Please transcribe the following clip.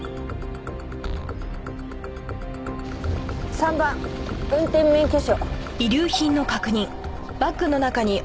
３番運転免許証。